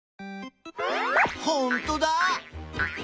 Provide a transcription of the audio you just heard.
ほんとだ！